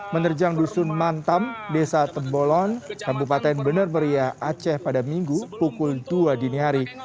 menerjang dusun mantam desa tembolon kabupaten bener meriah aceh pada minggu pukul dua dini hari